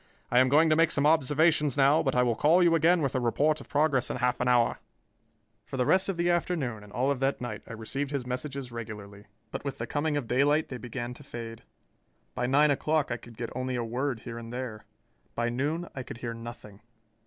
I am going to make some observations now, but I will call you again with a report of progress in half an hour." For the rest of the afternoon and all of that night I received his messages regularly, but with the coming of daylight they began to fade. By nine o'clock I could get only a word here and there. By noon I could hear nothing.